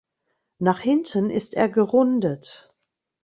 Nach hinten ist er gerundet.